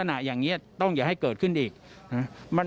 อ่ะฟังเสียอีกทีครับ